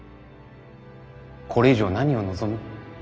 これ以上何を望む？